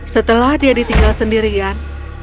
setelah dia ditinggal sendirian